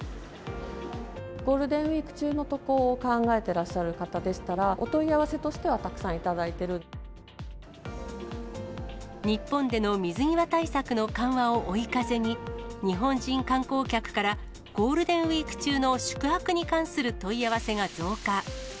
ゴールデンウィーク中の渡航を考えていらっしゃる方でしたら、お問い合わせとしては、たくさん日本での水際対策の緩和を追い風に、日本人観光客からゴールデンウィーク中の宿泊に関する問い合わせが増加。